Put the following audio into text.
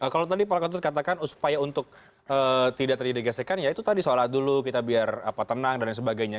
kalau tadi pak katut katakan supaya untuk tidak terdegasikan ya itu tadi sholat dulu kita biar tenang dan lain sebagainya